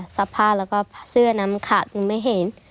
ผ้าแล้วก็เสื้อนั้นขาดหนูไม่เห็น